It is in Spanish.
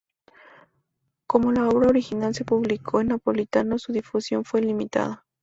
Como la obra original se publicó en napolitano su difusión fue limitada.